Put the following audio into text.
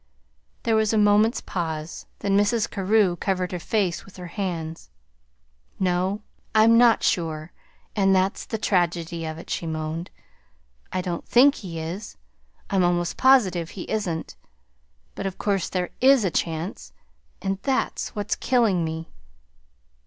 There was a moment's pause, then Mrs. Carew covered her face with her hands. "No, I'm not sure and that's the tragedy of it," she moaned. "I don't think he is; I'm almost positive he isn't. But, of course, there IS a chance and that's what's killing me."